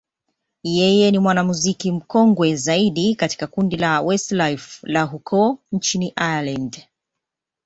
yeye ni mwanamuziki mkongwe zaidi katika kundi la Westlife la huko nchini Ireland.